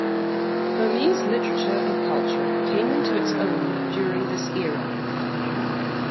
Burmese literature and culture came into its own during this era.